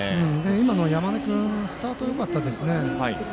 今のは山根君スタートがよかったですね。